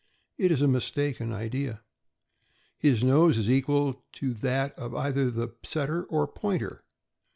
It is a mistaken idea. His nose is equal to that of either the Set ter or Pointer.